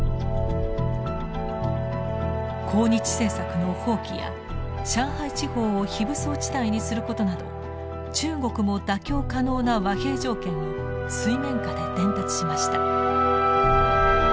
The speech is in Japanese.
抗日政策の放棄や上海地方を非武装地帯にすることなど中国も妥協可能な和平条件を水面下で伝達しました。